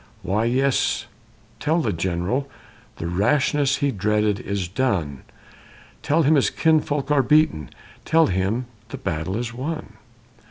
Why, yes, tell the general the rashness he dreaded is done! Tell him his kinsfolk are beaten! tell him the battle is won!"